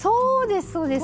そうです